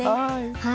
はい！